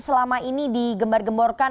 selama ini digembar gemborkan